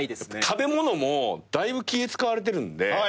食べ物もだいぶ気使われてるんで。